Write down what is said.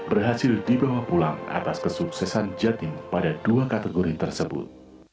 berhasil dibawa pulang atas kesuksesan jatim pada dua kategori tersebut